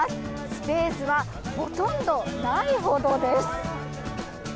スペースはほとんどないほどです。